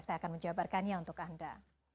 saya akan menjabarkannya untuk anda